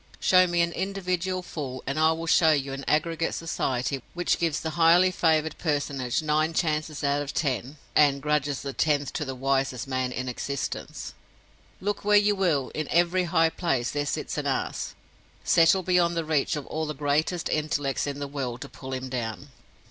Show me an individual Fool, and I will show you an aggregate Society which gives that highly favored personage nine chances out of ten—and grudges the tenth to the wisest man in existence. Look where you will, in every high place there sits an Ass, settled beyond the reach of all the greatest intellects in this world to pull him down.